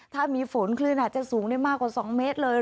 ถ้ามีฝนคลื่นอาจจะสูงได้มากกว่า๒เมตรเลย